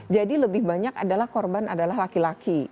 jadi lebih banyak adalah korban adalah laki laki